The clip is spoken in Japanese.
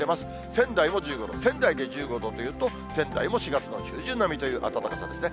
仙台も１５度、仙台で１５度というと仙台も４月の中旬並みという暖かさですね。